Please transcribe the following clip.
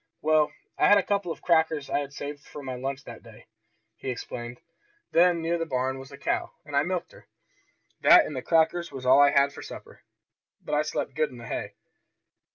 "Well, I had a couple of crackers I had saved from my lunch that day," he explained. "Then near the barn was a cow, and I milked her. That and the crackers was all I had for supper. But I slept good in the hay."